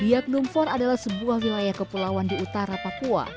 biak nufor adalah sebuah wilayah kepulauan di utara papua